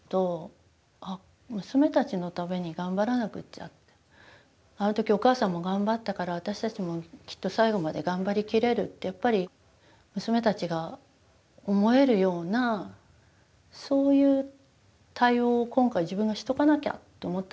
あのふっとあの時お母さんも頑張ったから私たちもきっと最後まで頑張りきれるってやっぱり娘たちが思えるようなそういう対応を今回自分がしとかなきゃと思ったんですよね。